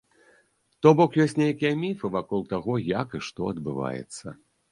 То бок ёсць нейкія міфы вакол таго, як і што адбываецца.